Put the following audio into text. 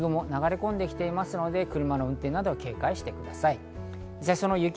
現在も雪雲が流れ込んできていますので、車の運転など警戒してください。